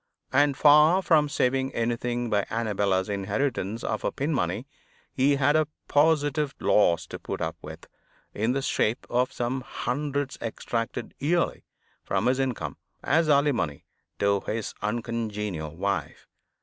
And, far from saving anything by Annabella's inheritance of her pin money, he had a positive loss to put up with, in the shape of some hundreds extracted yearly from his income, as alimony to his uncongenial wife.